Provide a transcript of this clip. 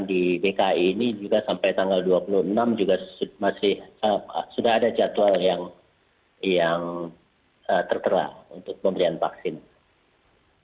di dki ini juga sampai tanggal dua puluh enam juga masih sudah ada jadwal yang tertera untuk pemberian vaksin